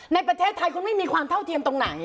ในประเทศไทยคุณไม่มีความเท่าเทียมตรงไหน